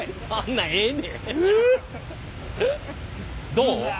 どう？